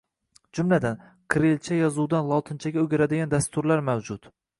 Jumladan, kirillcha yozuvdan lotinchaga o‘giradigan dasturlar mavjud.